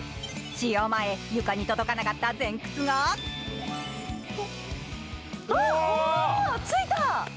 使用前、床に届かなかった前屈があっ、着いた！